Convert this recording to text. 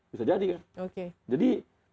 bisa jadi kan